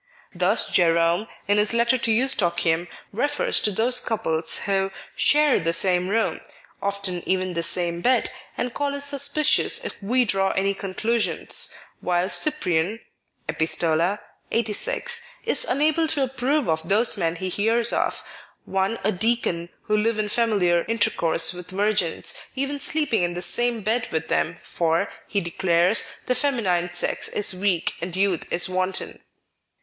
Thus Jerome, in his letter to Eustochium, refers to those couples who " share the same room," often even the same bed, and call us suspicious if we draw any conclusions; while Cyprian {Efistola, 86) is unable to approve of those men he hears of, one a deacon, who live in familiar intercourse with virgins, even sleeping in the same bed with them, for, he declares, the feminine sex is weak and youth is wanton.